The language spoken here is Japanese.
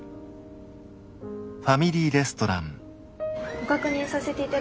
ご確認させていただきます。